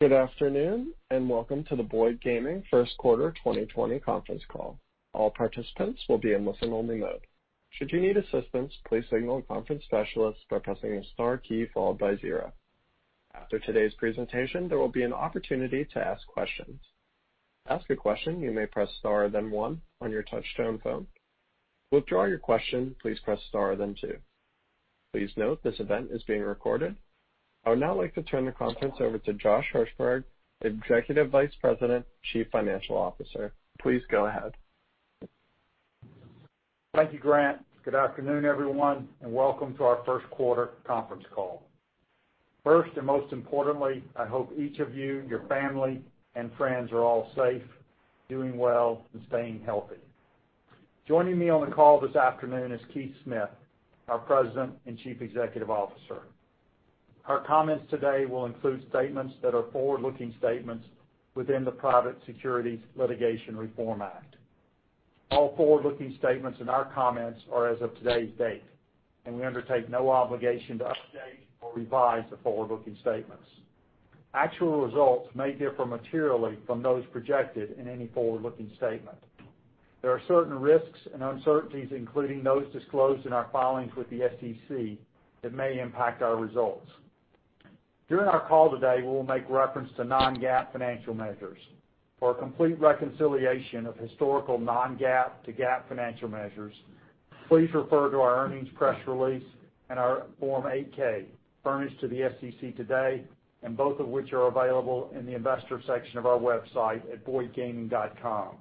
Good afternoon, and welcome to the Boyd Gaming First Quarter 2020 conference call. All participants will be in listen-only mode. Should you need assistance, please signal a conference specialist by pressing the star key followed by zero. After today's presentation, there will be an opportunity to ask questions. To ask a question, you may press star, then one on your touch-tone phone. To withdraw your question, please press star, then two. Please note, this event is being recorded. I would now like to turn the conference over to Josh Hirsberg, Executive Vice President, Chief Financial Officer. Please go ahead. Thank you, Grant. Good afternoon, everyone, and welcome to our first quarter conference call. First, and most importantly, I hope each of you, your family, and friends are all safe, doing well, and staying healthy. Joining me on the call this afternoon is Keith Smith, our President and Chief Executive Officer. Our comments today will include statements that are forward-looking statements within the Private Securities Litigation Reform Act. All forward-looking statements in our comments are as of today's date, and we undertake no obligation to update or revise the forward-looking statements. Actual results may differ materially from those projected in any forward-looking statement. There are certain risks and uncertainties, including those disclosed in our filings with the SEC, that may impact our results. During our call today, we will make reference to non-GAAP financial measures. For a complete reconciliation of historical non-GAAP to GAAP financial measures, please refer to our earnings press release and our Form 8-K, furnished to the SEC today, and both of which are available in the investor section of our website at boydgaming.com.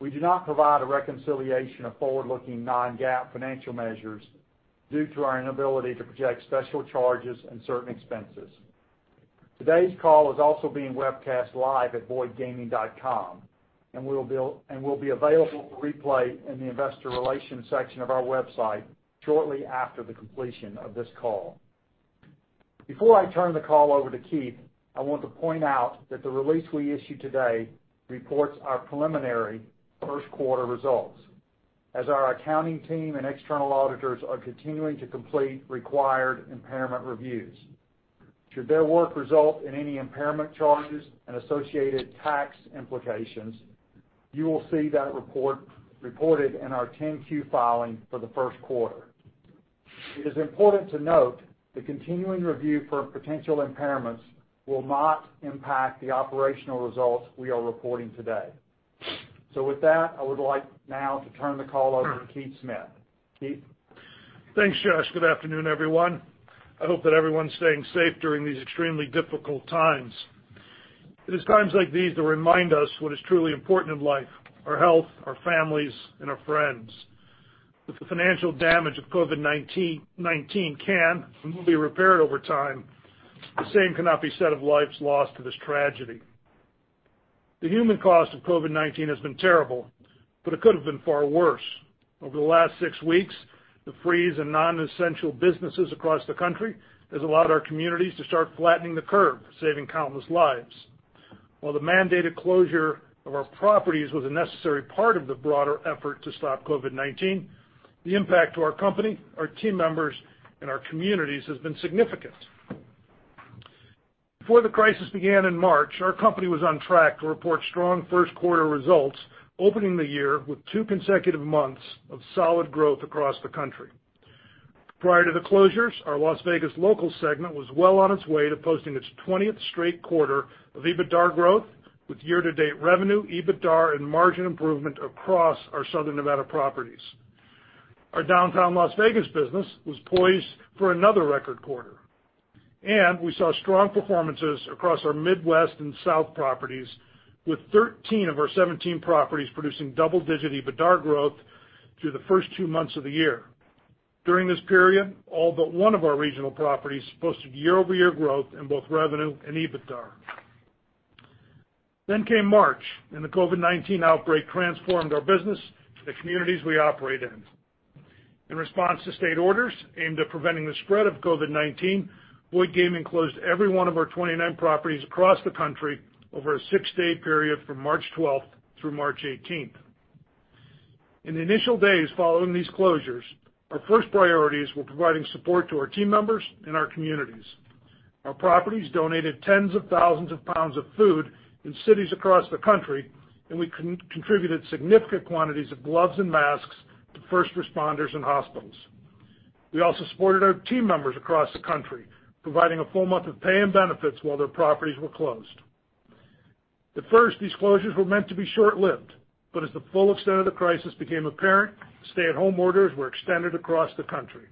We do not provide a reconciliation of forward-looking non-GAAP financial measures due to our inability to project special charges and certain expenses. Today's call is also being webcast live at boydgaming.com, and will be, and will be available for replay in the investor relations section of our website shortly after the completion of this call. Before I turn the call over to Keith, I want to point out that the release we issued today reports our preliminary first quarter results, as our accounting team and external auditors are continuing to complete required impairment reviews. Should their work result in any impairment charges and associated tax implications, you will see that reported in our 10-Q filing for the first quarter. It is important to note, the continuing review for potential impairments will not impact the operational results we are reporting today. With that, I would like now to turn the call over to Keith Smith. Keith? Thanks, Josh. Good afternoon, everyone. I hope that everyone's staying safe during these extremely difficult times. It is times like these that remind us what is truly important in life: our health, our families, and our friends. With the financial damage of COVID-19 can and will be repaired over time, the same cannot be said of lives lost to this tragedy. The human cost of COVID-19 has been terrible, but it could have been far worse. Over the last six weeks, the freeze in non-essential businesses across the country has allowed our communities to start flattening the curve, saving countless lives. While the mandated closure of our properties was a necessary part of the broader effort to stop COVID-19, the impact to our company, our team members, and our communities has been significant. Before the crisis began in March, our company was on track to report strong first quarter results, opening the year with two consecutive months of solid growth across the country. Prior to the closures, our Las Vegas local segment was well on its way to posting its twentieth straight quarter of EBITDAR growth, with year-to-date revenue, EBITDAR, and margin improvement across our Southern Nevada properties. Our downtown Las Vegas business was poised for another record quarter, and we saw strong performances across our Midwest and South properties, with 13 of our 17 properties producing double-digit EBITDAR growth through the first two months of the year. During this period, all but one of our regional properties posted year-over-year growth in both revenue and EBITDAR. Then came March, and the COVID-19 outbreak transformed our business and the communities we operate in. In response to state orders aimed at preventing the spread of COVID-19, Boyd Gaming closed every one of our 29 properties across the country over a six-day period from March twelfth through March eighteenth. In the initial days following these closures, our first priorities were providing support to our team members and our communities. Our properties donated tens of thousands of pounds of food in cities across the country, and we contributed significant quantities of gloves and masks to first responders and hospitals. We also supported our team members across the country, providing a full month of pay and benefits while their properties were closed. At first, these closures were meant to be short-lived, but as the full extent of the crisis became apparent, stay-at-home orders were extended across the country.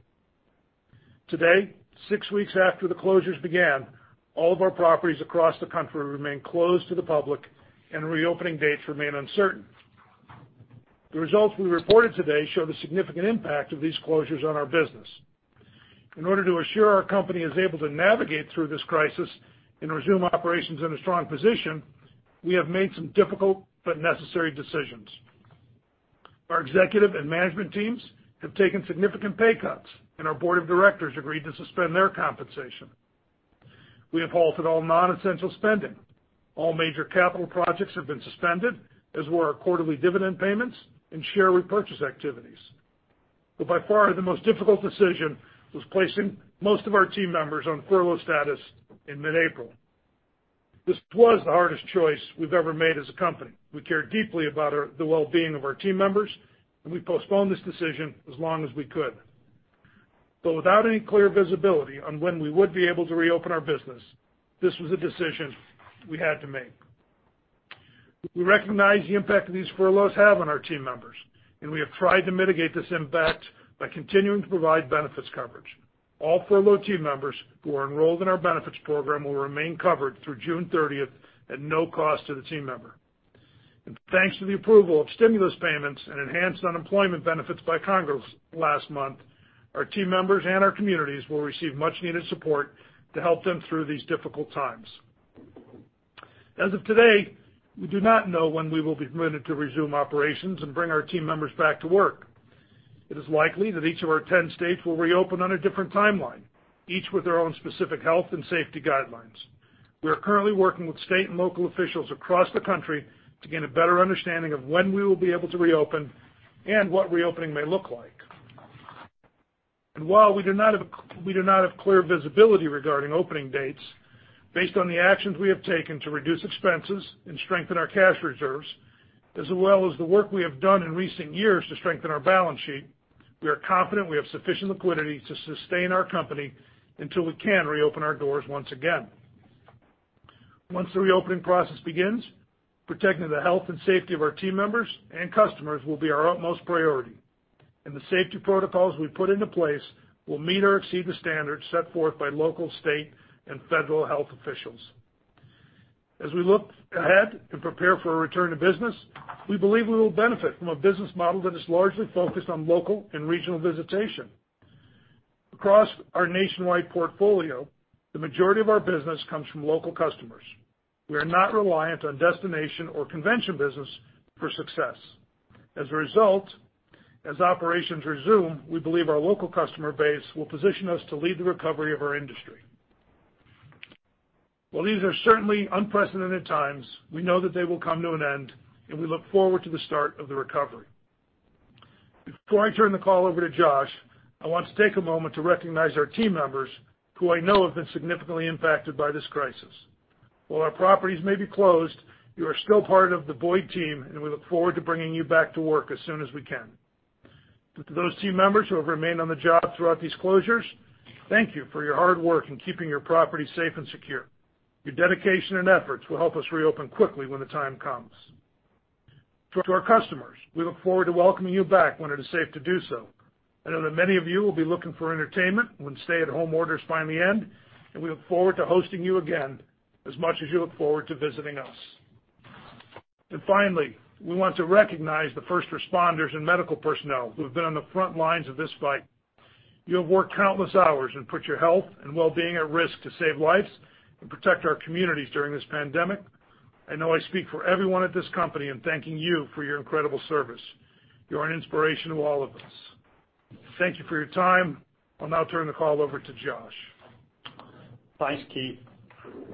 Today, six weeks after the closures began, all of our properties across the country remain closed to the public and reopening dates remain uncertain. The results we reported today show the significant impact of these closures on our business. In order to assure our company is able to navigate through this crisis and resume operations in a strong position, we have made some difficult but necessary decisions. Our executive and management teams have taken significant pay cuts and our board of directors agreed to suspend their compensation. We have halted all nonessential spending. All major capital projects have been suspended, as were our quarterly dividend payments and share repurchase activities. But by far, the most difficult decision was placing most of our team members on furlough status in mid-April. This was the hardest choice we've ever made as a company. We care deeply about our team's well-being of our team members, and we postponed this decision as long as we could. But without any clear visibility on when we would be able to reopen our business, this was a decision we had to make. We recognize the impact that these furloughs have on our team members, and we have tried to mitigate this impact by continuing to provide benefits coverage. All furlough team members who are enrolled in our benefits program will remain covered through June thirtieth at no cost to the team member. Thanks to the approval of stimulus payments and enhanced unemployment benefits by Congress last month, our team members and our communities will receive much-needed support to help them through these difficult times. As of today, we do not know when we will be permitted to resume operations and bring our team members back to work. It is likely that each of our 10 states will reopen on a different timeline, each with their own specific health and safety guidelines. We are currently working with state and local officials across the country to gain a better understanding of when we will be able to reopen and what reopening may look like. And while we do not have clear visibility regarding opening dates, based on the actions we have taken to reduce expenses and strengthen our cash reserves, as well as the work we have done in recent years to strengthen our balance sheet, we are confident we have sufficient liquidity to sustain our company until we can reopen our doors once again. Once the reopening process begins, protecting the health and safety of our team members and customers will be our utmost priority, and the safety protocols we put into place will meet or exceed the standards set forth by local, state, and federal health officials. As we look ahead and prepare for a return to business, we believe we will benefit from a business model that is largely focused on local and regional visitation. Across our nationwide portfolio, the majority of our business comes from local customers. We are not reliant on destination or convention business for success. As a result, as operations resume, we believe our local customer base will position us to lead the recovery of our industry. While these are certainly unprecedented times, we know that they will come to an end, and we look forward to the start of the recovery. Before I turn the call over to Josh, I want to take a moment to recognize our team members, who I know have been significantly impacted by this crisis. While our properties may be closed, you are still part of the Boyd team, and we look forward to bringing you back to work as soon as we can. To those team members who have remained on the job throughout these closures, thank you for your hard work in keeping your property safe and secure. Your dedication and efforts will help us reopen quickly when the time comes. To our customers, we look forward to welcoming you back when it is safe to do so. I know that many of you will be looking for entertainment when stay-at-home orders finally end, and we look forward to hosting you again as much as you look forward to visiting us. Finally, we want to recognize the first responders and medical personnel who have been on the front lines of this fight. You have worked countless hours and put your health and well-being at risk to save lives and protect our communities during this pandemic. I know I speak for everyone at this company in thanking you for your incredible service. You're an inspiration to all of us. Thank you for your time. I'll now turn the call over to Josh. Thanks, Keith.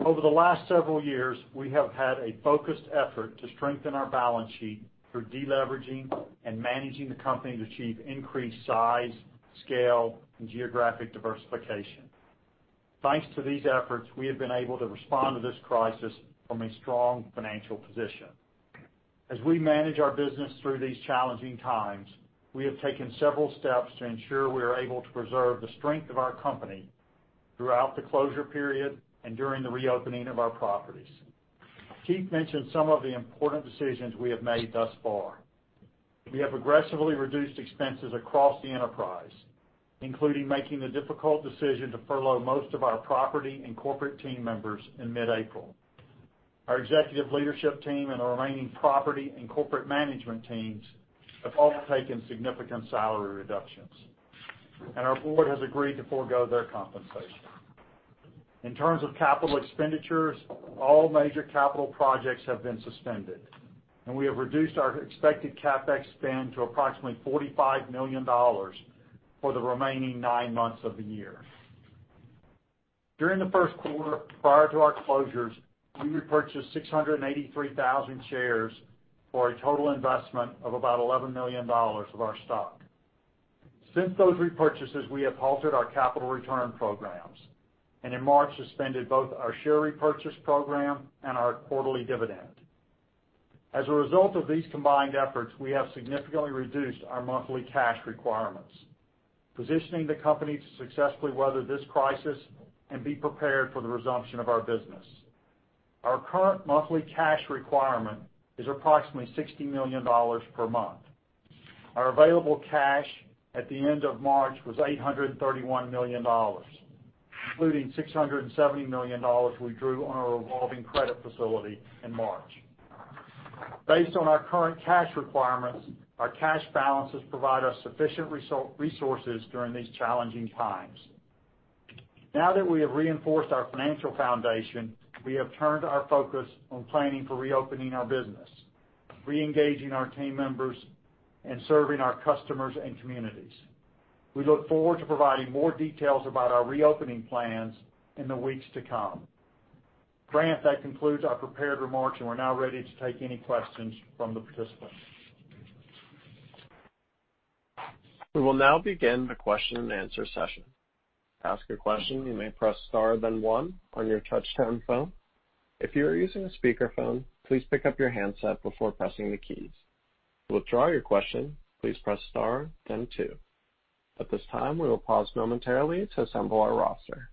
Over the last several years, we have had a focused effort to strengthen our balance sheet through deleveraging and managing the company to achieve increased size, scale, and geographic diversification. Thanks to these efforts, we have been able to respond to this crisis from a strong financial position. As we manage our business through these challenging times, we have taken several steps to ensure we are able to preserve the strength of our company throughout the closure period and during the reopening of our properties. Keith mentioned some of the important decisions we have made thus far. We have aggressively reduced expenses across the enterprise, including making the difficult decision to furlough most of our property and corporate team members in mid-April. Our executive leadership team and our remaining property and corporate management teams have also taken significant salary reductions, and our board has agreed to forgo their compensation. In terms of capital expenditures, all major capital projects have been suspended, and we have reduced our expected CapEx spend to approximately $45 million for the remaining nine months of the year. During the first quarter, prior to our closures, we repurchased 683,000 shares for a total investment of about $11 million of our stock. Since those repurchases, we have halted our capital return programs, and in March, suspended both our share repurchase program and our quarterly dividend. As a result of these combined efforts, we have significantly reduced our monthly cash requirements, positioning the company to successfully weather this crisis and be prepared for the resumption of our business. Our current monthly cash requirement is approximately $60 million per month. Our available cash at the end of March was $831 million, including $670 million we drew on our Revolving Credit Facility in March. Based on our current cash requirements, our cash balances provide us sufficient resources during these challenging times. Now that we have reinforced our financial foundation, we have turned our focus on planning for reopening our business, reengaging our team members, and serving our customers and communities.... We look forward to providing more details about our reopening plans in the weeks to come. Grant, that concludes our prepared remarks, and we're now ready to take any questions from the participants. We will now begin the question and answer session. To ask your question, you may press star, then one on your touchtone phone. If you are using a speakerphone, please pick up your handset before pressing the keys. To withdraw your question, please press star, then two. At this time, we will pause momentarily to assemble our roster.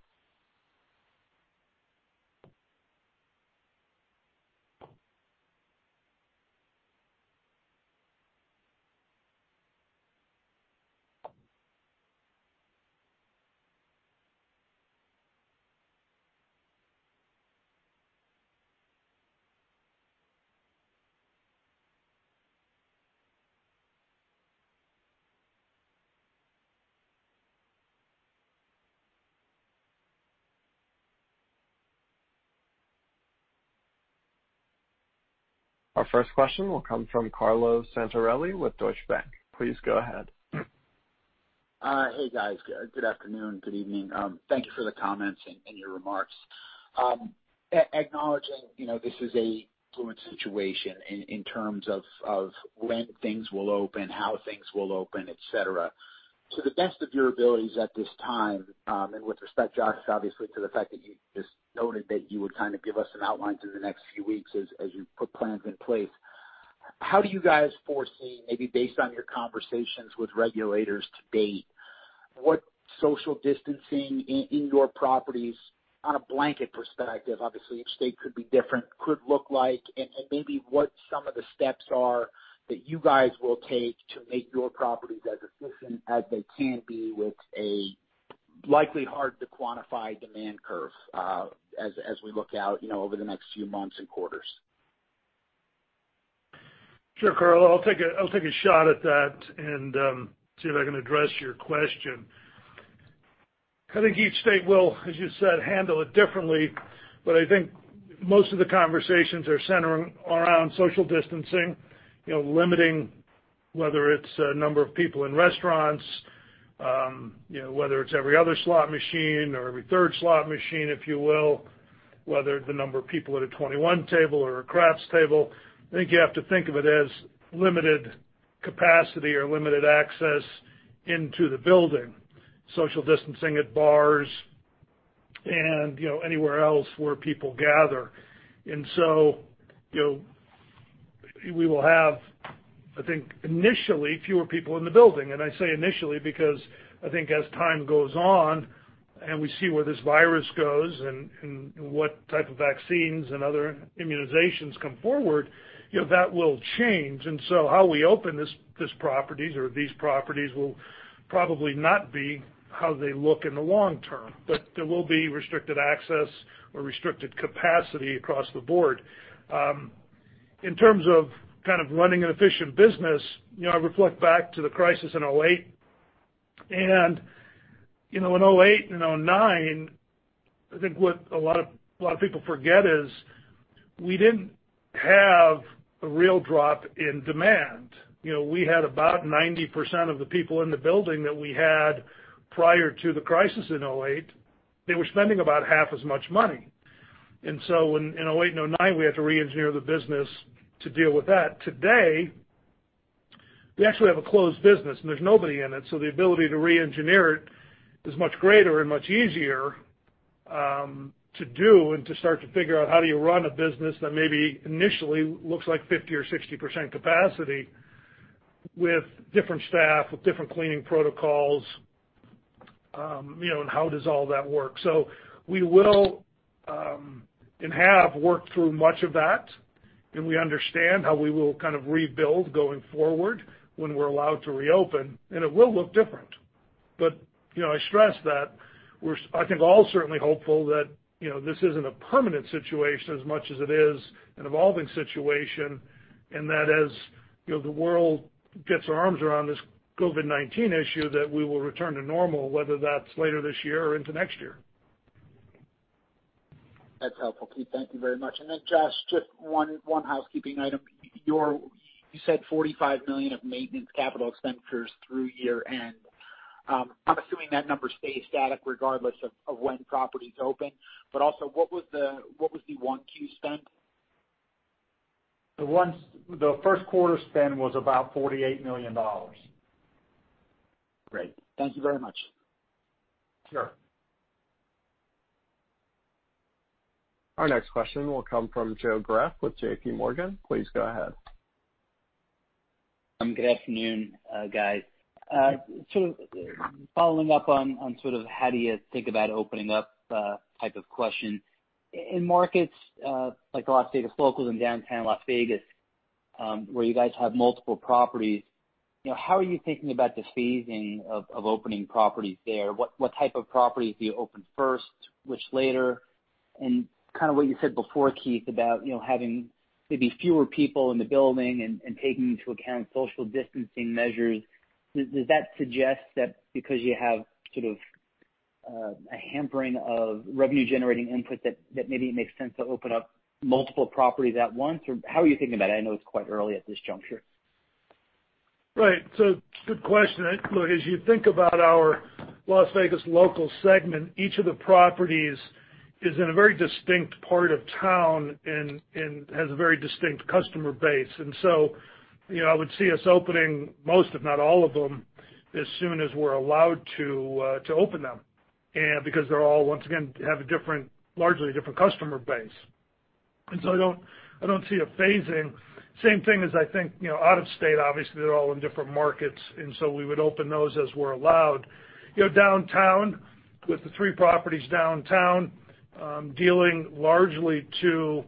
Our first question will come from Carlo Santarelli with Deutsche Bank. Please go ahead. Hey, guys, good afternoon, good evening. Thank you for the comments and your remarks. Acknowledging, you know, this is a fluid situation in terms of when things will open, how things will open, et cetera. To the best of your abilities at this time, and with respect, Josh, obviously, to the fact that you just noted that you would kind of give us an outline through the next few weeks as you put plans in place, how do you guys foresee, maybe based on your conversations with regulators to date, what social distancing in indoor properties on a blanket perspective, obviously, each state could be different, could look like, and maybe what some of the steps are that you guys will take to make your properties as efficient as they can be with a likely hard to quantify demand curve, as we look out, you know, over the next few months and quarters? Sure, Carlo, I'll take a, I'll take a shot at that and see if I can address your question. I think each state will, as you said, handle it differently, but I think most of the conversations are centering around social distancing, you know, limiting whether it's a number of people in restaurants, you know, whether it's every other slot machine or every third slot machine, if you will, whether the number of people at a 21 table or a craps table. I think you have to think of it as limited capacity or limited access into the building, social distancing at bars and, you know, anywhere else where people gather. And so, you know, we will have, I think, initially, fewer people in the building. I say initially, because I think as time goes on, and we see where this virus goes and, and what type of vaccines and other immunizations come forward, you know, that will change. And so how we open this, this properties or these properties will probably not be how they look in the long term, but there will be restricted access or restricted capacity across the board. In terms of kind of running an efficient business, you know, I reflect back to the crisis in 2008, and, you know, in 2008 and 2009, I think what a lot of, a lot of people forget is, we didn't have a real drop in demand. You know, we had about 90% of the people in the building that we had prior to the crisis in 2008. They were spending about half as much money. And so in 2008 and 2009, we had to reengineer the business to deal with that. Today, we actually have a closed business, and there's nobody in it, so the ability to reengineer it is much greater and much easier to do and to start to figure out how do you run a business that maybe initially looks like 50% or 60% capacity with different staff, with different cleaning protocols, you know, and how does all that work? So we will and have worked through much of that, and we understand how we will kind of rebuild going forward when we're allowed to reopen, and it will look different. But, you know, I stress that we're, I think, all certainly hopeful that, you know, this isn't a permanent situation as much as it is an evolving situation, and that as, you know, the world gets its arms around this COVID-19 issue, that we will return to normal, whether that's later this year or into next year. That's helpful, Keith. Thank you very much. And then, Josh, just one housekeeping item. You said $45 million of maintenance capital expenditures through year-end. I'm assuming that number stays static regardless of when properties open, but also, what was the 1Q spend? The first quarter spend was about $48 million. Great. Thank you very much. Sure. Our next question will come from Joe Greff with J.P. Morgan. Please go ahead. Good afternoon, guys. Sort of following up on sort of how do you think about opening up type of question. In markets like Las Vegas Locals in downtown Las Vegas, where you guys have multiple properties, you know, how are you thinking about the phasing of opening properties there? What type of properties do you open first, which later? And kind of what you said before, Keith, about, you know, having maybe fewer people in the building and taking into account social distancing measures, does that suggest that because you have sort of a hampering of revenue-generating input that maybe it makes sense to open up multiple properties at once? Or how are you thinking about it? I know it's quite early at this juncture. Right. So good question. Look, as you think about our Las Vegas Locals segment, each of the properties is in a very distinct part of town and has a very distinct customer base. And so, you know, I would see us opening most, if not all of them, as soon as we're allowed to open them. And because they're all, once again, have largely a different customer base. And so I don't, I don't see a phasing. Same thing as I think, you know, out-of-state, obviously, they're all in different markets, and so we would open those as we're allowed. You know, downtown, with the three properties downtown, dealing largely to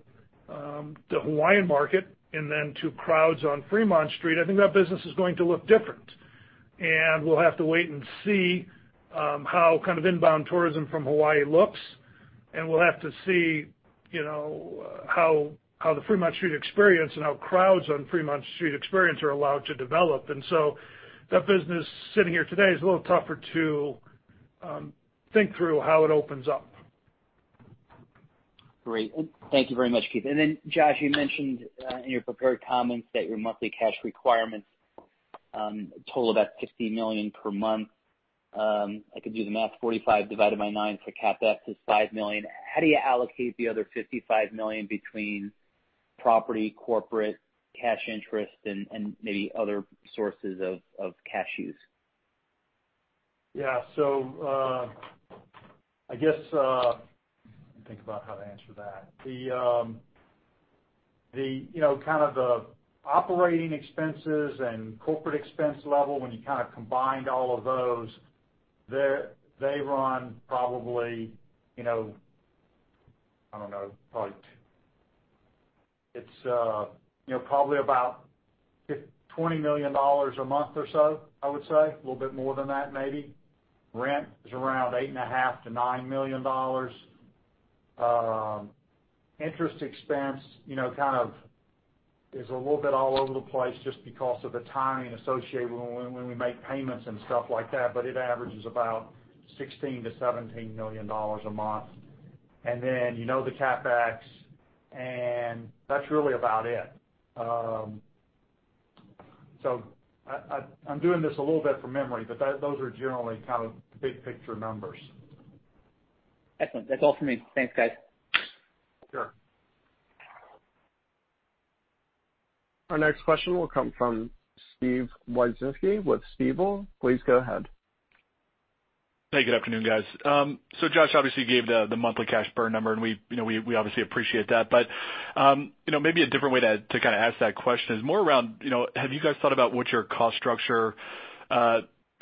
the Hawaiian market and then to crowds on Fremont Street, I think that business is going to look different. We'll have to wait and see how kind of inbound tourism from Hawaii looks, and we'll have to see, you know, how, how the Fremont Street Experience and how crowds on Fremont Street Experience are allowed to develop. And so that business sitting here today is a little tougher to think through how it opens up. Great. Thank you very much, Keith. Then, Josh, you mentioned in your prepared comments that your monthly cash requirements total about $60 million per month. I could do the math, 45 divided by 9 for CapEx is $5 million. How do you allocate the other $55 million between property, corporate, cash interest, and maybe other sources of cash use? Yeah. So, I guess... Let me think about how to answer that. The, the, you know, kind of the operating expenses and corporate expense level, when you kind of combined all of those, they run probably, you know, I don't know, probably it's, you know, probably about $20 million a month or so, I would say. A little bit more than that, maybe. Rent is around $8.5 million-$9 million. Interest expense, you know, kind of is a little bit all over the place just because of the timing associated when, when we make payments and stuff like that, but it averages about $16 million-$17 million a month. And then, you know, the CapEx, and that's really about it. So, I'm doing this a little bit from memory, but those are generally kind of big picture numbers. Excellent. That's all for me. Thanks, guys. Sure. Our next question will come from Steven Wieczynski with Stifel. Please go ahead. Hey, good afternoon, guys. So Josh obviously gave the monthly cash burn number, and we, you know, obviously appreciate that. But you know, maybe a different way to kind of ask that question is more around, you know, have you guys thought about what your cost structure,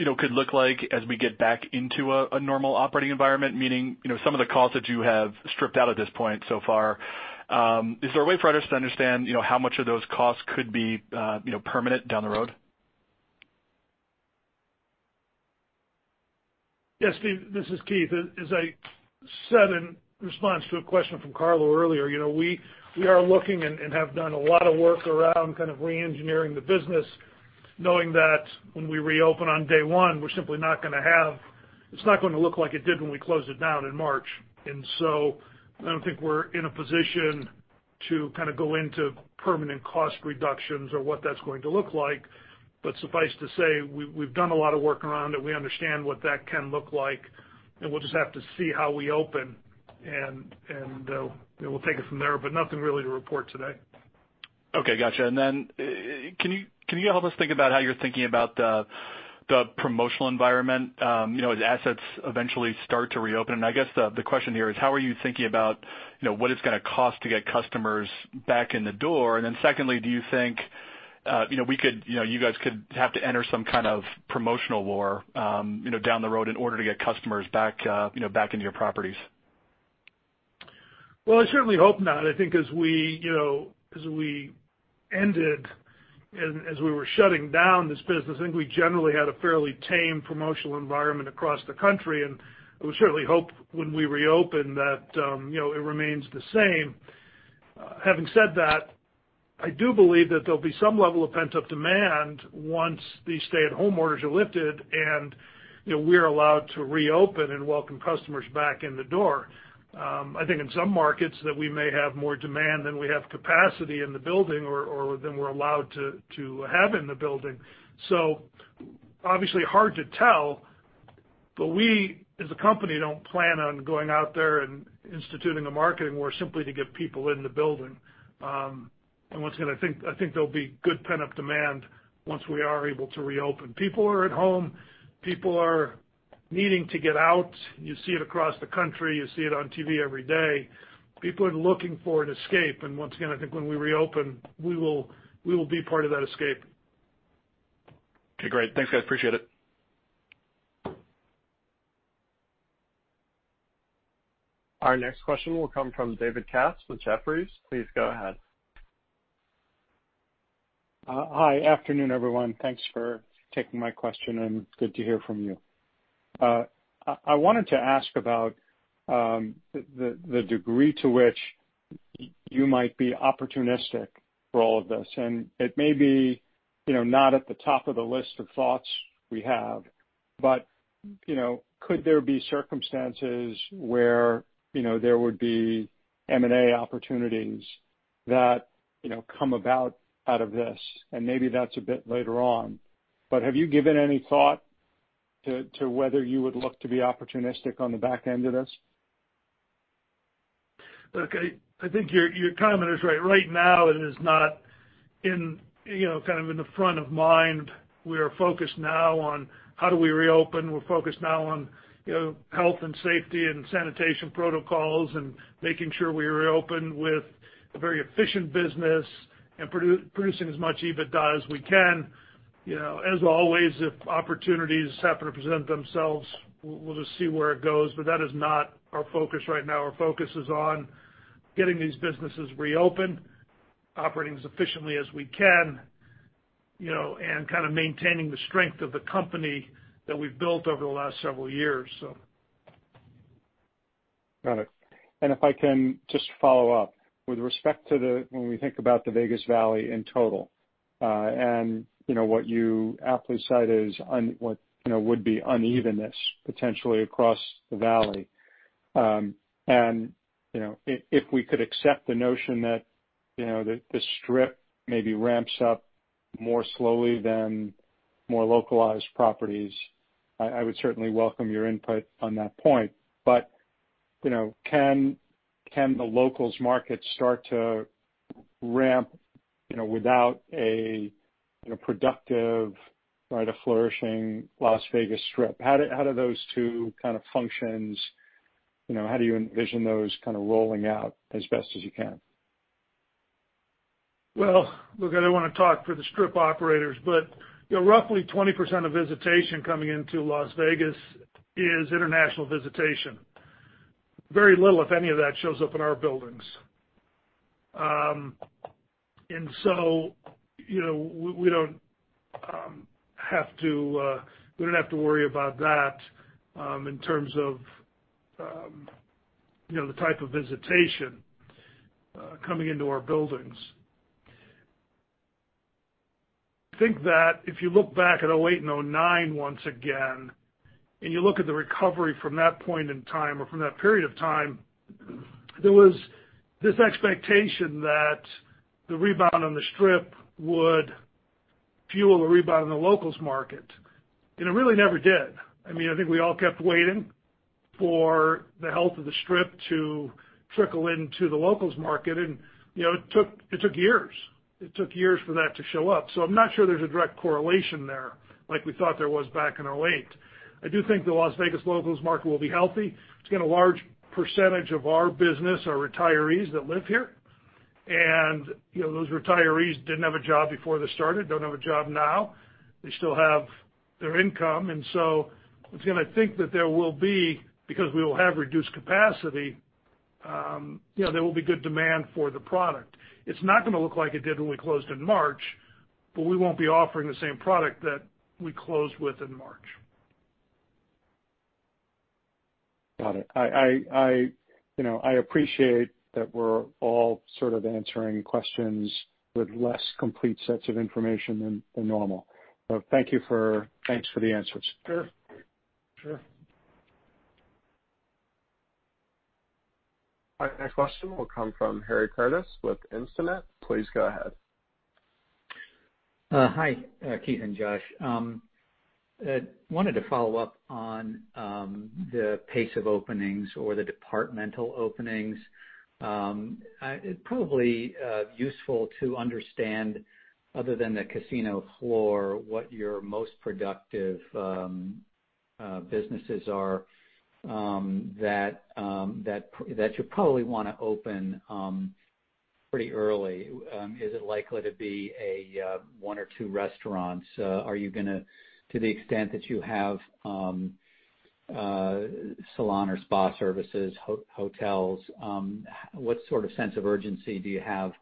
you know, could look like as we get back into a normal operating environment? Meaning, you know, some of the costs that you have stripped out at this point so far, is there a way for us to understand, you know, how much of those costs could be, you know, permanent down the road? Yes, Steve, this is Keith. As I said in response to a question from Carlo earlier, you know, we are looking and have done a lot of work around kind of reengineering the business, knowing that when we reopen on day one, we're simply not gonna have. It's not gonna look like it did when we closed it down in March. And so I don't think we're in a position to kind of go into permanent cost reductions or what that's going to look like. But suffice to say, we've done a lot of work around it. We understand what that can look like, and we'll just have to see how we open, and you know, we'll take it from there, but nothing really to report today. Okay, gotcha. And then, can you help us think about how you're thinking about the promotional environment, you know, as assets eventually start to reopen? And I guess the question here is, how are you thinking about, you know, what it's gonna cost to get customers back in the door? And then secondly, do you think, you know, you guys could have to enter some kind of promotional war, you know, down the road in order to get customers back, you know, back into your properties? Well, I certainly hope not. I think as we, you know, as we ended and as we were shutting down this business, I think we generally had a fairly tame promotional environment across the country, and we certainly hope when we reopen that, you know, it remains the same. Having said that, I do believe that there'll be some level of pent-up demand once these stay-at-home orders are lifted, and, you know, we're allowed to reopen and welcome customers back in the door. I think in some markets that we may have more demand than we have capacity in the building or, or than we're allowed to, to have in the building. So obviously, hard to tell, but we, as a company, don't plan on going out there and instituting a marketing war simply to get people in the building. And once again, I think, I think there'll be good pent-up demand once we are able to reopen. People are at home. People are needing to get out. You see it across the country. You see it on TV every day. People are looking for an escape, and once again, I think when we reopen, we will, we will be part of that escape. Okay, great. Thanks, guys. Appreciate it. Our next question will come from David Katz with Jefferies. Please go ahead. Hi. Afternoon, everyone. Thanks for taking my question, and good to hear from you. I wanted to ask about the degree to which you might be opportunistic for all of this, and it may be-... you know, not at the top of the list of thoughts we have, but, you know, could there be circumstances where, you know, there would be M&A opportunities that, you know, come about out of this? And maybe that's a bit later on. But have you given any thought to whether you would look to be opportunistic on the back end of this? Look, I think your comment is right. Right now, it is not, you know, kind of, in the front of mind. We are focused now on how do we reopen? We're focused now on, you know, health and safety and sanitation protocols, and making sure we are reopen with a very efficient business and producing as much EBITDA as we can. You know, as always, if opportunities happen to present themselves, we'll just see where it goes, but that is not our focus right now. Our focus is on getting these businesses reopened, operating as efficiently as we can, you know, and kind of maintaining the strength of the company that we've built over the last several years, so. Got it. And if I can just follow up. With respect to the, when we think about the Vegas Valley in total, and you know, what you aptly cite as unevenness potentially across the valley. And, you know, if we could accept the notion that, you know, that the Strip maybe ramps up more slowly than more localized properties, I would certainly welcome your input on that point. But, you know, can the locals market start to ramp, you know, without a, you know, productive, right, a flourishing Las Vegas Strip? How do those two kind of functions, you know, how do you envision those kind of rolling out as best as you can? Well, look, I don't wanna talk for the Strip operators, but, you know, roughly 20% of visitation coming into Las Vegas is international visitation. Very little, if any of that, shows up in our buildings. And so, you know, we don't have to worry about that in terms of, you know, the type of visitation coming into our buildings. I think that if you look back at 2008 and 2009 once again, and you look at the recovery from that point in time or from that period of time, there was this expectation that the rebound on the Strip would fuel a rebound in the locals market, and it really never did. I mean, I think we all kept waiting for the health of the Strip to trickle into the locals market, and, you know, it took, it took years. It took years for that to show up, so I'm not sure there's a direct correlation there like we thought there was back in 2008. I do think the Las Vegas locals market will be healthy. It's got a large percentage of our business are retirees that live here. And, you know, those retirees didn't have a job before this started, don't have a job now. They still have their income, and so I'm gonna think that there will be, because we will have reduced capacity, you know, there will be good demand for the product. It's not gonna look like it did when we closed in March, but we won't be offering the same product that we closed with in March. Got it. You know, I appreciate that we're all sort of answering questions with less complete sets of information than normal. But thank you. Thanks for the answers. Sure. Sure. All right, next question will come from Harry Curtis with Instinet. Please go ahead. Hi, Keith and Josh. Wanted to follow up on the pace of openings or the departmental openings. It probably useful to understand, other than the casino floor, what your most productive businesses are that you probably wanna open pretty early. Is it likely to be a one or two restaurants? Are you gonna, to the extent that you have, salon or spa services, hotels, what sort of sense of urgency do you have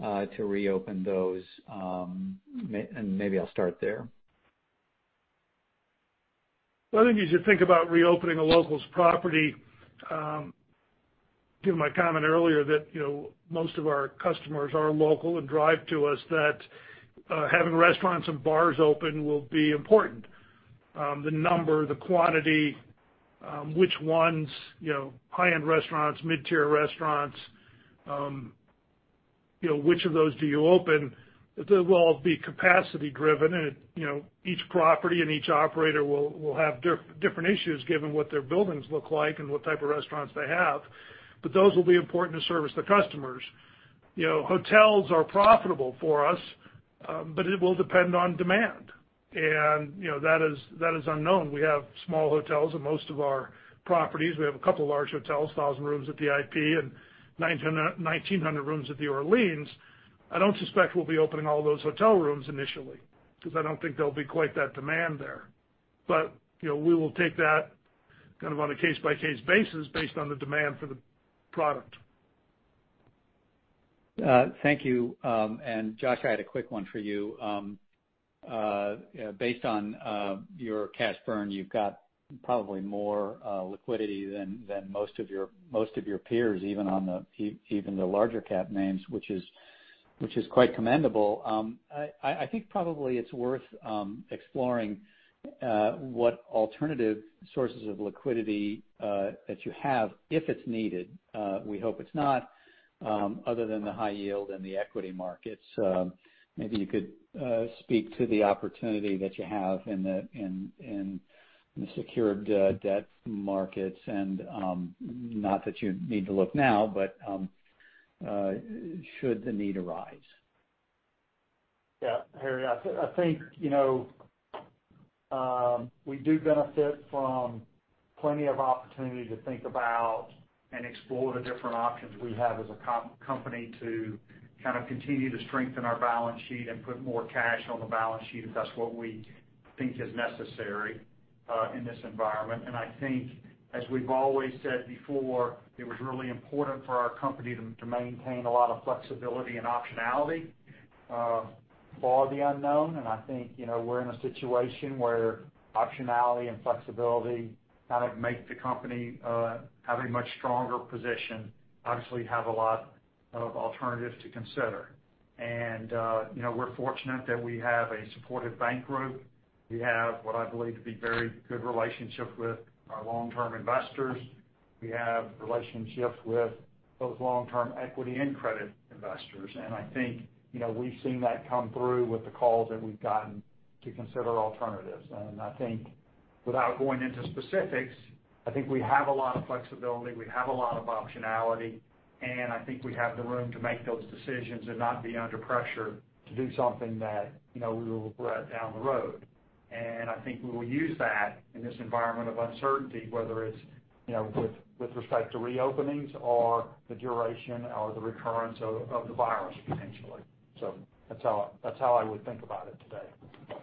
to reopen those? And maybe I'll start there. Well, I think as you think about reopening a locals property, given my comment earlier that, you know, most of our customers are local and drive to us, that, having restaurants and bars open will be important. The number, the quantity, which ones, you know, high-end restaurants, mid-tier restaurants, you know, which of those do you open? It will all be capacity driven, and it, you know, each property and each operator will have different issues given what their buildings look like and what type of restaurants they have, but those will be important to service the customers. You know, hotels are profitable for us, but it will depend on demand. You know, that is, that is unknown. We have small hotels in most of our properties. We have a couple of large hotels, 1,000 rooms at the IP and 1,900 rooms at the Orleans. I don't suspect we'll be opening all those hotel rooms initially, because I don't think there'll be quite that demand there. But, you know, we will take that kind of on a case-by-case basis based on the demand for the product. Thank you. And Josh, I had a quick one for you. Based on your cash burn, you've got probably more liquidity than most of your peers, even the larger cap names, which is quite commendable. I think probably it's worth exploring what alternative sources of liquidity that you have, if it's needed, we hope it's not, other than the high yield and the equity markets. Maybe you could speak to the opportunity that you have in the secured debt markets, and not that you need to look now, but should the need arise. Yeah, Harry, I think, you know, we do benefit from plenty of opportunity to think about and explore the different options we have as a company to kind of continue to strengthen our balance sheet and put more cash on the balance sheet, if that's what we think is necessary, in this environment. And I think, as we've always said before, it was really important for our company to maintain a lot of flexibility and optionality, for the unknown. And I think, you know, we're in a situation where optionality and flexibility kind of make the company have a much stronger position. Obviously, have a lot of alternatives to consider. And, you know, we're fortunate that we have a supportive bank group. We have what I believe to be very good relationships with our long-term investors. We have relationships with those long-term equity and credit investors, and I think, you know, we've seen that come through with the calls that we've gotten to consider alternatives. And I think, without going into specifics, I think we have a lot of flexibility, we have a lot of optionality, and I think we have the room to make those decisions and not be under pressure to do something that, you know, we will regret down the road. And I think we will use that in this environment of uncertainty, whether it's, you know, with, with respect to reopenings or the duration or the recurrence of, of the virus potentially. So that's how, that's how I would think about it today.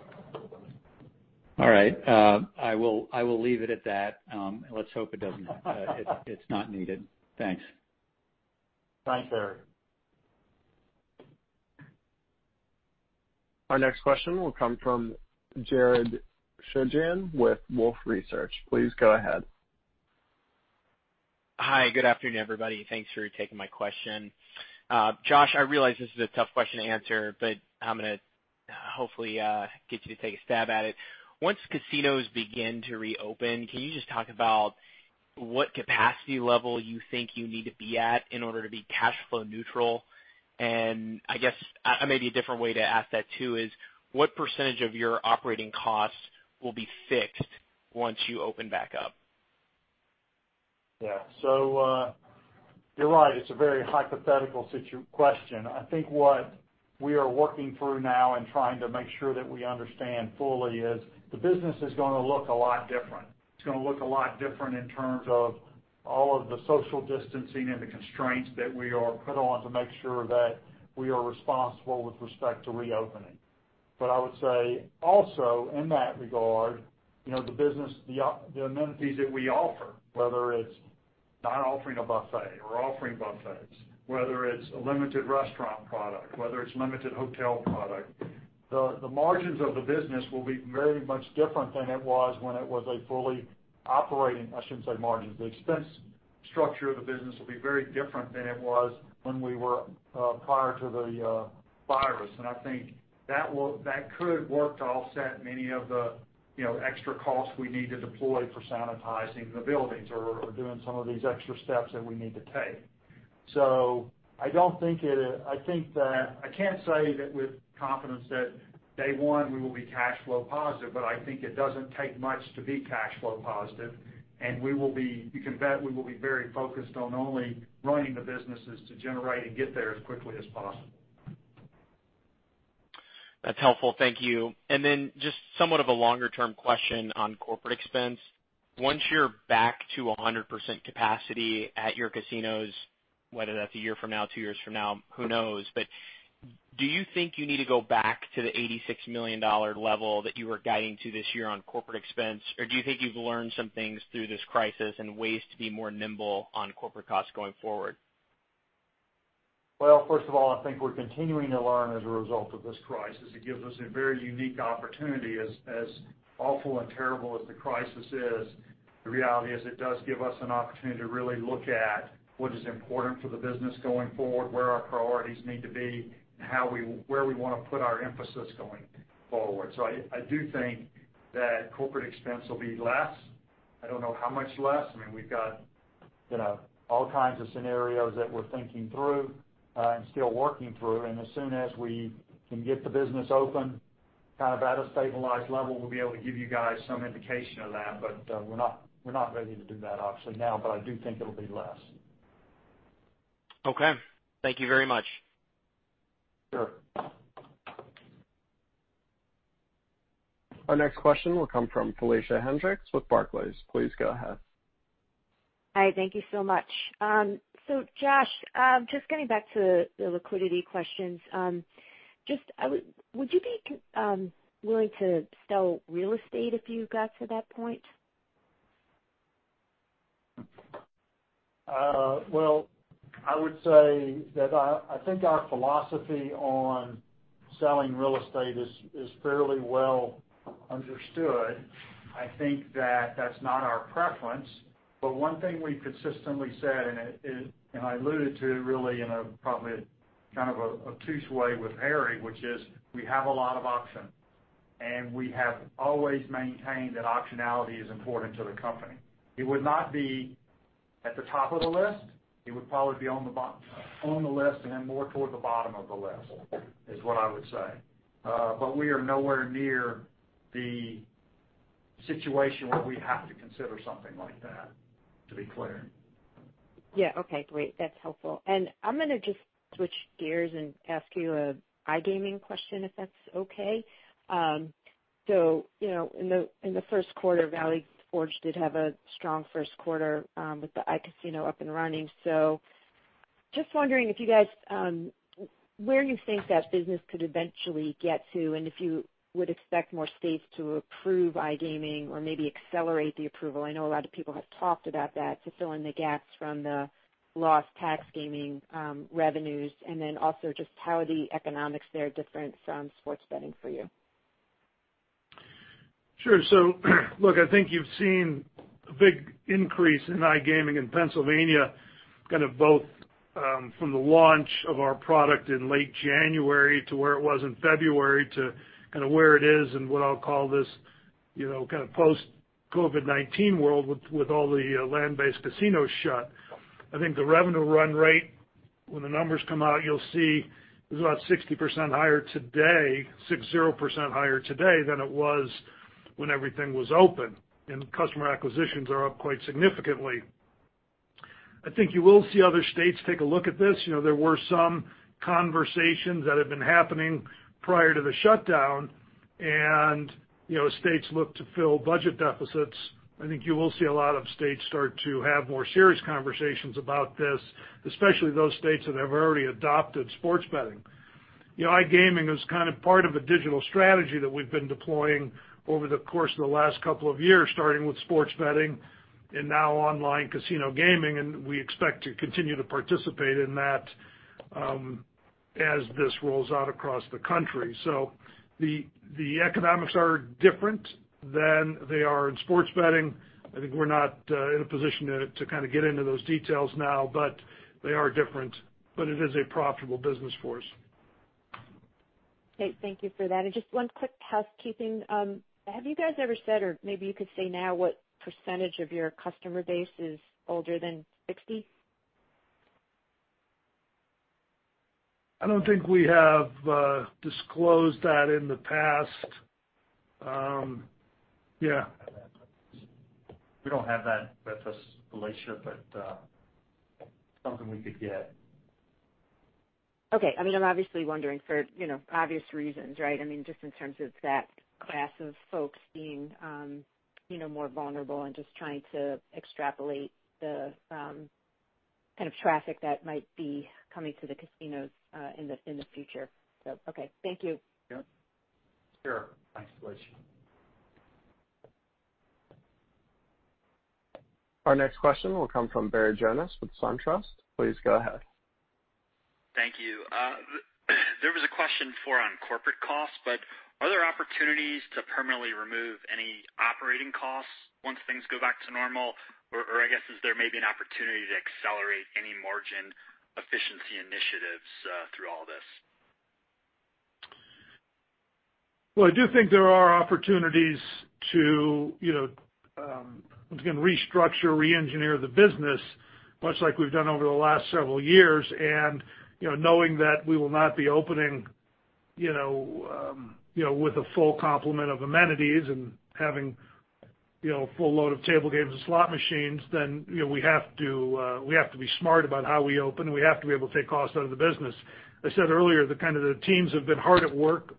All right, I will leave it at that. Let's hope it doesn't. It's not needed. Thanks. Thanks, Harry. Our next question will come from Jared Shojaian with Wolfe Research. Please go ahead. Hi, good afternoon, everybody. Thanks for taking my question. Josh, I realize this is a tough question to answer, but I'm going to hopefully get you to take a stab at it. Once casinos begin to reopen, can you just talk about what capacity level you think you need to be at in order to be cash flow neutral? And I guess, maybe a different way to ask that, too, is what percentage of your operating costs will be fixed once you open back up? Yeah. So, you're right, it's a very hypothetical question. I think what we are working through now and trying to make sure that we understand fully is, the business is gonna look a lot different. It's gonna look a lot different in terms of all of the social distancing and the constraints that we are put on to make sure that we are responsible with respect to reopening. But I would say also, in that regard, you know, the business, the amenities that we offer, whether it's not offering a buffet or offering buffets, whether it's a limited restaurant product, whether it's limited hotel product, the margins of the business will be very much different than it was when it was a fully operating. I shouldn't say margins. The expense structure of the business will be very different than it was when we were prior to the virus. And I think that could work to offset many of the, you know, extra costs we need to deploy for sanitizing the buildings or doing some of these extra steps that we need to take. So I don't think it. I think that I can't say that with confidence, that day one, we will be cash flow positive, but I think it doesn't take much to be cash flow positive, and we will be. You can bet we will be very focused on only running the businesses to generate and get there as quickly as possible. That's helpful, thank you. And then just somewhat of a longer-term question on corporate expense. Once you're back to 100% capacity at your casinos, whether that's a year from now, two years from now, who knows? But do you think you need to go back to the $86 million level that you were guiding to this year on corporate expense, or do you think you've learned some things through this crisis and ways to be more nimble on corporate costs going forward? Well, first of all, I think we're continuing to learn as a result of this crisis. It gives us a very unique opportunity. As, as awful and terrible as the crisis is, the reality is it does give us an opportunity to really look at what is important for the business going forward, where our priorities need to be, and how we, where we want to put our emphasis going forward. So I, I do think that corporate expense will be less. I don't know how much less. I mean, we've got, you know, all kinds of scenarios that we're thinking through, and still working through. And as soon as we can get the business open, kind of at a stabilized level, we'll be able to give you guys some indication of that. But, we're not ready to do that obviously now, but I do think it'll be less. Okay. Thank you very much. Sure. Our next question will come from Felicia Hendrix with Barclays. Please go ahead. Hi, thank you so much. So Josh, just getting back to the liquidity questions. Just, I would... Would you be willing to sell real estate if you got to that point?... Well, I would say that I think our philosophy on selling real estate is fairly well understood. I think that that's not our preference, but one thing we've consistently said, and I alluded to really in a probably kind of an obtuse way with Harry, which is we have a lot of options, and we have always maintained that optionality is important to the company. It would not be at the top of the list. It would probably be on the bottom, on the list, and then more toward the bottom of the list, is what I would say. But we are nowhere near the situation where we have to consider something like that, to be clear. Yeah. Okay, great. That's helpful. And I'm going to just switch gears and ask you an iGaming question, if that's okay. So, you know, in the first quarter, Valley Forge did have a strong first quarter, with the iCasino up and running. So just wondering if you guys, where you think that business could eventually get to, and if you would expect more states to approve iGaming or maybe accelerate the approval? I know a lot of people have talked about that, to fill in the gaps from the lost tax gaming revenues, and then also just how the economics there are different from sports betting for you. Sure. So look, I think you've seen a big increase in iGaming in Pennsylvania, kind of both from the launch of our product in late January to where it was in February, to kind of where it is and what I'll call this, you know, kind of post-COVID-19 world with all the land-based casinos shut. I think the revenue run rate, when the numbers come out, you'll see is about 60% higher today, 60% higher today than it was when everything was open, and customer acquisitions are up quite significantly. I think you will see other states take a look at this. You know, there were some conversations that had been happening prior to the shutdown, and, you know, states look to fill budget deficits. I think you will see a lot of states start to have more serious conversations about this, especially those states that have already adopted sports betting. You know, iGaming is kind of part of a digital strategy that we've been deploying over the course of the last couple of years, starting with sports betting and now online casino gaming, and we expect to continue to participate in that, as this rolls out across the country. So the economics are different than they are in sports betting. I think we're not in a position to kind of get into those details now, but they are different, but it is a profitable business for us. Great, thank you for that. Just one quick housekeeping. Have you guys ever said, or maybe you could say now, what percentage of your customer base is older than 60? I don't think we have disclosed that in the past. Yeah. We don't have that with us, Felicia, but, something we could get. Okay. I mean, I'm obviously wondering for, you know, obvious reasons, right? I mean, just in terms of that class of folks being, you know, more vulnerable and just trying to extrapolate the, kind of traffic that might be coming to the casinos, in the, in the future. So, okay. Thank you. Yeah. Sure. Thanks, Felicia. Our next question will come from Barry Jonas with SunTrust. Please go ahead. Thank you. There was a question before on corporate costs, but are there opportunities to permanently remove any operating costs once things go back to normal? Or, I guess, is there maybe an opportunity to accelerate any margin efficiency initiatives through all this? Well, I do think there are opportunities to, you know, once again, restructure, reengineer the business, much like we've done over the last several years. You know, knowing that we will not be opening, you know, with a full complement of amenities and having, you know, a full load of table games and slot machines, then, you know, we have to, we have to be smart about how we open. We have to be able to take costs out of the business. I said earlier that kind of the teams have been hard at work,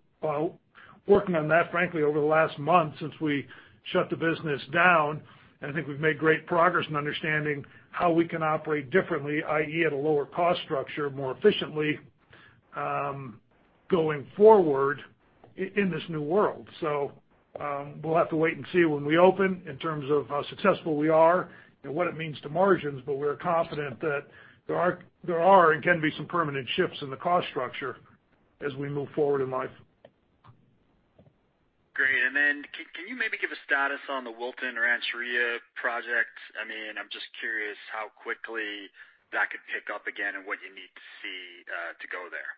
working on that, frankly, over the last month since we shut the business down, and I think we've made great progress in understanding how we can operate differently, i.e., at a lower cost structure, more efficiently, going forward in this new world. We'll have to wait and see when we open in terms of how successful we are and what it means to margins, but we're confident that there are, there are and can be some permanent shifts in the cost structure as we move forward in life. Great. And then can you maybe give a status on the Wilton Rancheria project? I mean, I'm just curious how quickly that could pick up again and what you need to see to go there.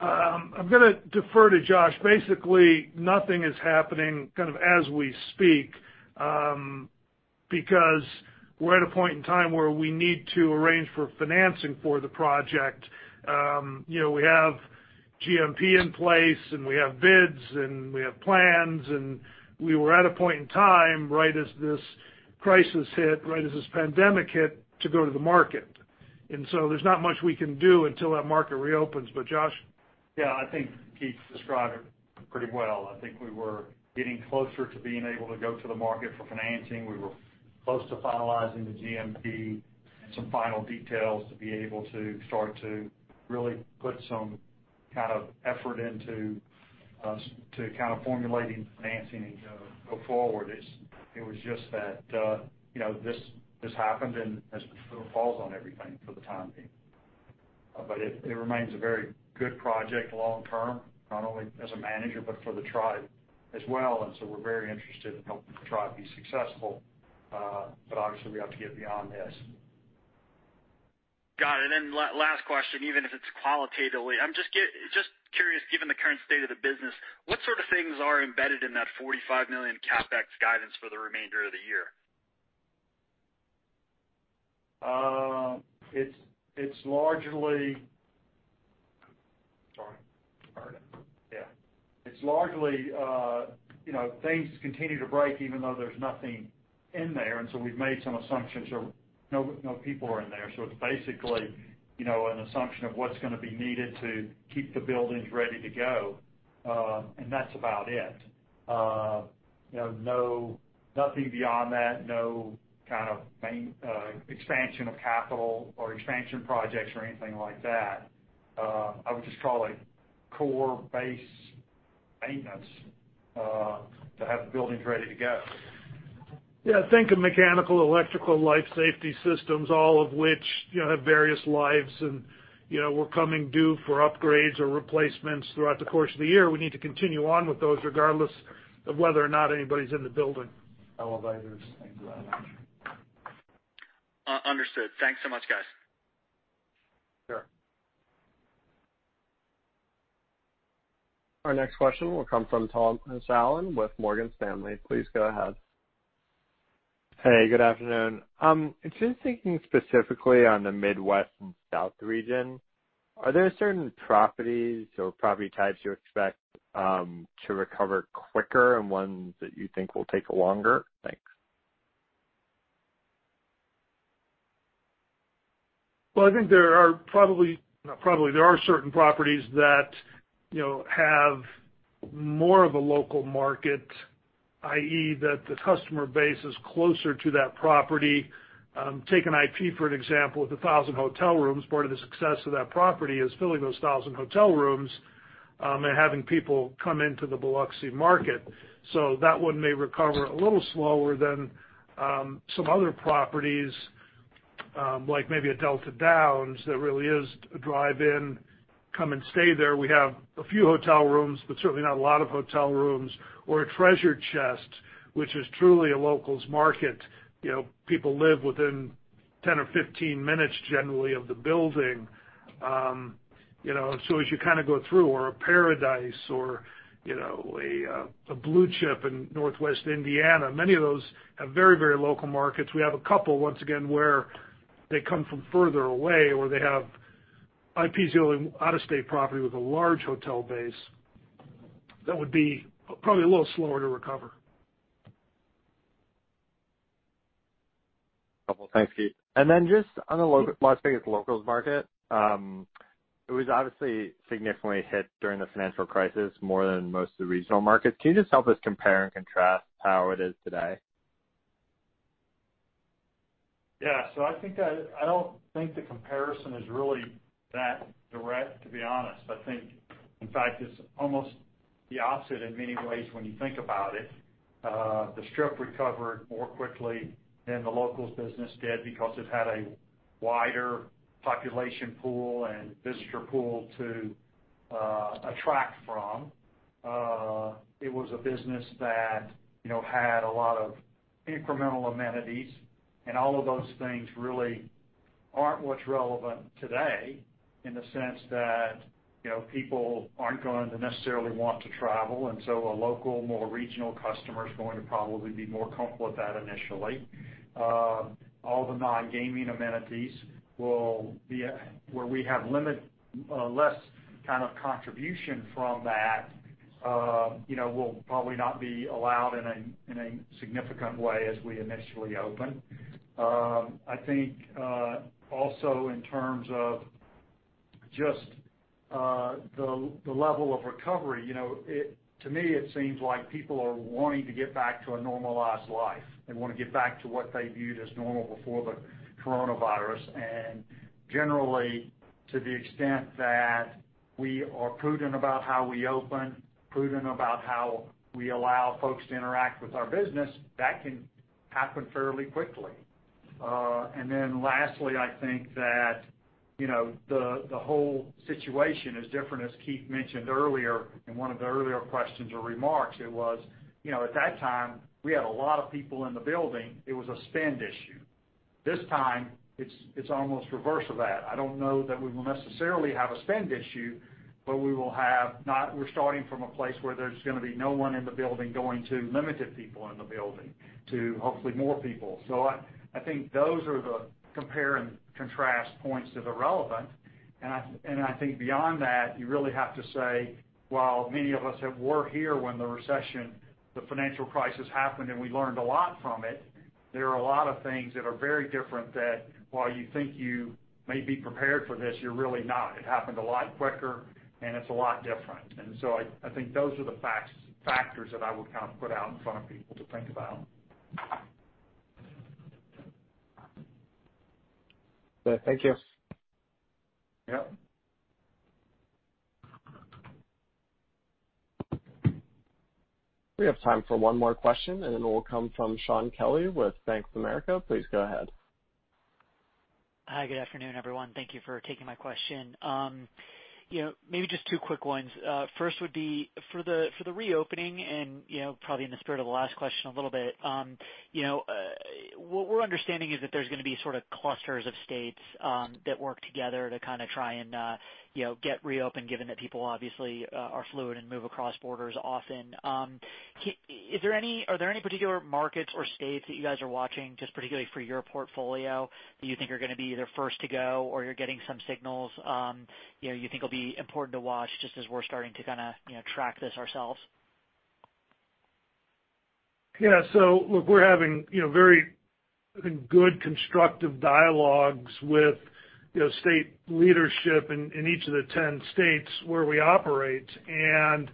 I'm gonna defer to Josh. Basically, nothing is happening kind of as we speak, because we're at a point in time where we need to arrange for financing for the project. You know, we have GMP in place, and we have bids, and we have plans, and we were at a point in time, right as this crisis hit, right as this pandemic hit, to go to the market. So there's not much we can do until that market reopens. But Josh? Yeah, I think Keith described it pretty well. I think we were getting closer to being able to go to the market for financing. We were close to finalizing the GMP. Some final details to be able to start to really put some kind of effort into to kind of formulating financing and go forward. It was just that, you know, this happened, and as it falls on everything for the time being. But it remains a very good project long term, not only as a manager, but for the tribe as well, and so we're very interested in helping the tribe be successful, but obviously, we have to get beyond this. Got it. And then last question, even if it's qualitatively, I'm just curious, given the current state of the business, what sort of things are embedded in that $45 million CapEx guidance for the remainder of the year? It's largely, you know, things continue to break even though there's nothing in there, and so we've made some assumptions. No people are in there. So it's basically, you know, an assumption of what's gonna be needed to keep the buildings ready to go, and that's about it. You know, nothing beyond that, no kind of major expansion of capital or expansion projects or anything like that. I would just call it core base maintenance to have the buildings ready to go. Yeah, think of mechanical, electrical, life safety systems, all of which, you know, have various lives and, you know, were coming due for upgrades or replacements throughout the course of the year. We need to continue on with those regardless of whether or not anybody's in the building. Elevators, and so on. Understood. Thanks so much, guys. Sure. Our next question will come from Thomas Allen with Morgan Stanley. Please go ahead. Hey, good afternoon. Just thinking specifically on the Midwest and South region, are there certain properties or property types you expect to recover quicker and ones that you think will take longer? Thanks. Well, I think there are probably, not probably, there are certain properties that, you know, have more of a local market, i.e., that the customer base is closer to that property. Take an IP for an example, with 1,000 hotel rooms, part of the success of that property is filling those 1,000 hotel rooms, and having people come into the Biloxi market. So that one may recover a little slower than some other properties, like maybe a Delta Downs that really is a drive-in, come and stay there. We have a few hotel rooms, but certainly not a lot of hotel rooms, or a Treasure Chest, which is truly a locals market. You know, people live within 10 or 15 minutes, generally of the building. You know, so as you kind of go through, or a Par-A-Dice or, you know, a, a Blue Chip in Northwest Indiana, many of those have very, very local markets. We have a couple, once again, where they come from further away, or they have IP; it's the only out-of-state property with a large hotel base. That would be probably a little slower to recover. Thanks, Keith. And then just on the local Las Vegas locals market, it was obviously significantly hit during the financial crisis more than most of the regional markets. Can you just help us compare and contrast how it is today? Yeah. So I think that, I don't think the comparison is really that direct, to be honest. I think, in fact, it's almost the opposite in many ways when you think about it. The Strip recovered more quickly than the locals business did because it had a wider population pool and visitor pool to attract from. It was a business that, you know, had a lot of incremental amenities, and all of those things really aren't what's relevant today in the sense that, you know, people aren't going to necessarily want to travel, and so a local, more regional customer is going to probably be more comfortable with that initially. All the non-gaming amenities will be where we have less kind of contribution from that, you know, will probably not be allowed in a significant way as we initially open. I think also in terms of just the level of recovery, you know, it—to me, it seems like people are wanting to get back to a normalized life. They want to get back to what they viewed as normal before the coronavirus, and generally, to the extent that we are prudent about how we open, prudent about how we allow folks to interact with our business, that can happen fairly quickly. And then lastly, I think that, you know, the whole situation is different, as Keith mentioned earlier, in one of the earlier questions or remarks, it was, you know, at that time, we had a lot of people in the building. It was a spend issue. This time, it's almost reverse of that. I don't know that we will necessarily have a spend issue, but we will have—we're starting from a place where there's gonna be no one in the building, going to limited people in the building, to hopefully more people. So I think those are the compare and contrast points that are relevant. I think beyond that, you really have to say, while many of us that were here when the recession, the financial crisis happened, and we learned a lot from it, there are a lot of things that are very different that while you think you may be prepared for this, you're really not. It happened a lot quicker, and it's a lot different. So I think those are the factors that I would kind of put out in front of people to think about.... Good. Thank you. Yeah. We have time for one more question, and it will come from Shaun Kelley with Bank of America. Please go ahead. Hi, good afternoon, everyone. Thank you for taking my question. You know, maybe just two quick ones. First would be for the, for the reopening and, you know, probably in the spirit of the last question a little bit, you know, what we're understanding is that there's going to be sort of clusters of states, that work together to kind of try and, you know, get reopened, given that people obviously, are fluid and move across borders often. Are there any particular markets or states that you guys are watching, just particularly for your portfolio, that you think are going to be either first to go or you're getting some signals, you know, you think will be important to watch just as we're starting to kind of, you know, track this ourselves? Yeah. So look, we're having, you know, very good constructive dialogues with, you know, state leadership in, in each of the 10 states where we operate. And,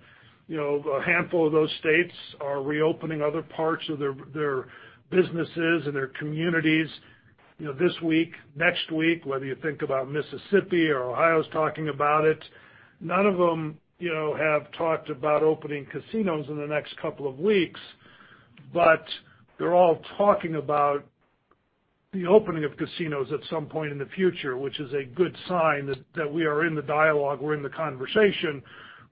you know, a handful of those states are reopening other parts of their, their businesses and their communities, you know, this week, next week, whether you think about Mississippi or Ohio is talking about it. None of them, you know, have talked about opening casinos in the next couple of weeks, but they're all talking about the opening of casinos at some point in the future, which is a good sign that, that we are in the dialogue, we're in the conversation.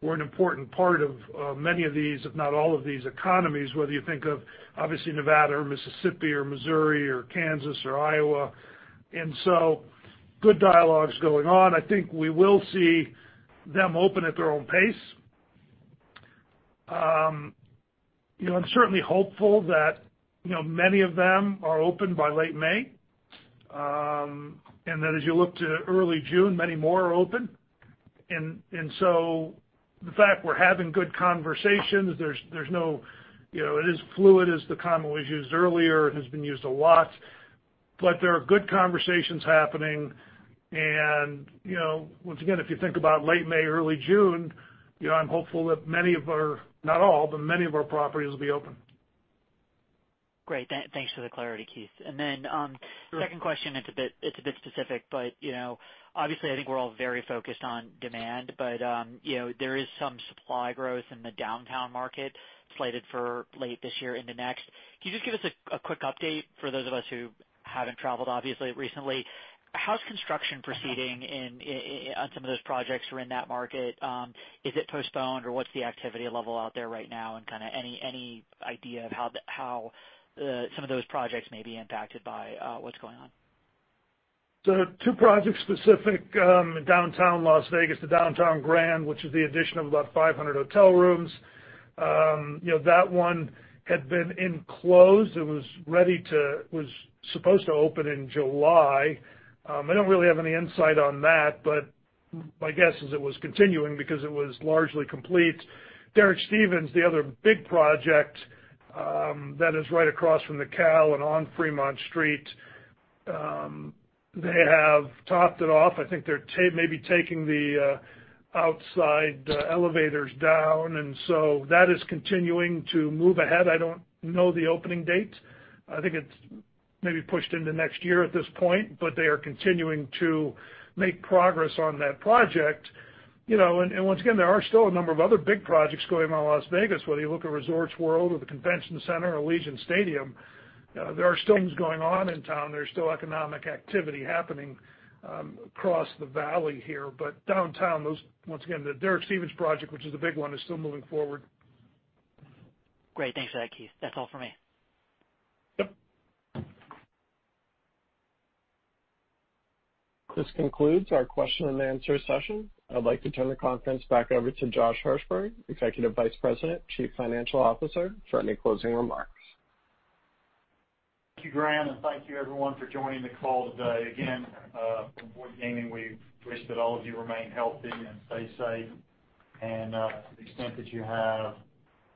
We're an important part of many of these, if not all of these economies, whether you think of, obviously, Nevada or Mississippi or Missouri or Kansas or Iowa. And so good dialogues going on. I think we will see them open at their own pace. You know, I'm certainly hopeful that, you know, many of them are open by late May, and that as you look to early June, many more are open. And so the fact we're having good conversations, there's no... You know, it is fluid, as the comment was used earlier, it has been used a lot, but there are good conversations happening. And, you know, once again, if you think about late May, early June, you know, I'm hopeful that many of our, not all, but many of our properties will be open. Great. Thanks for the clarity, Keith. And then, second question, it's a bit specific, but, you know, obviously, I think we're all very focused on demand. But, you know, there is some supply growth in the downtown market slated for late this year into next. Can you just give us a quick update for those of us who haven't traveled, obviously, recently? How's construction proceeding in, on some of those projects who are in that market? Is it postponed, or what's the activity level out there right now? And kind of any idea of how the how some of those projects may be impacted by what's going on? So two projects specific, downtown Las Vegas, the Downtown Grand, which is the addition of about 500 hotel rooms. You know, that one had been enclosed. It was ready to-- it was supposed to open in July. I don't really have any insight on that, but my guess is it was continuing because it was largely complete. Derek Stevens, the other big project, that is right across from the Cal and on Fremont Street, they have topped it off. I think they're maybe taking the outside elevators down, and so that is continuing to move ahead. I don't know the opening date. I think it's maybe pushed into next year at this point, but they are continuing to make progress on that project. You know, and once again, there are still a number of other big projects going on in Las Vegas, whether you look at Resorts World or the Convention Center or Allegiant Stadium, there are still things going on in town. There's still economic activity happening across the valley here. But downtown, those once again, the Derek Stevens project, which is a big one, is still moving forward. Great. Thanks for that, Keith. That's all for me. Yep. This concludes our question and answer session. I'd like to turn the conference back over to Josh Hirsberg, Executive Vice President, Chief Financial Officer, for any closing remarks. Thank you, Grant, and thank you everyone for joining the call today. Again, from Boyd Gaming, we wish that all of you remain healthy and stay safe. To the extent that you have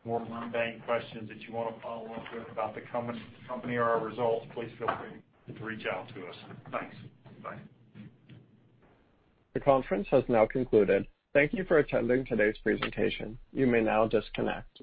more mundane questions that you want to follow up with about the company or our results, please feel free to reach out to us. Thanks. Bye. The conference has now concluded. Thank you for attending today's presentation. You may now disconnect.